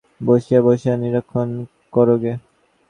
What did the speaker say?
এ তোমার বৈঠকখানায় রাখিয়া বসিয়া বসিয়া নিরীক্ষণ করোগে।